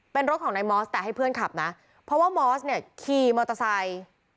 เป็นรถของนายมอสแต่ให้เพื่อนขับนะเพราะว่ามอสเนี่ยขี่มอเตอร์ไซค์